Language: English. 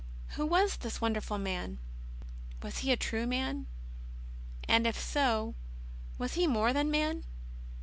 Who war, this wonderful Man? Was He a true Man, and if so, was He more than Man?